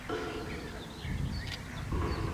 Tienen una unidad y van cruzando paisajes distintos.